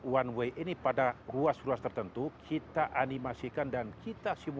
yang diingatkan perhubungan gaya keseimbangan parliament yang seperti itu